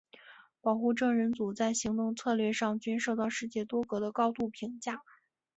保护证人组在行动策略上均受到世界多国的高度评价。